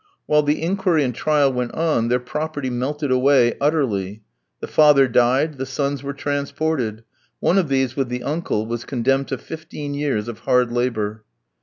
While the inquiry and trial went on, their property melted away utterly. The father died, the sons were transported; one of these, with the uncle, was condemned to fifteen years of hard labour.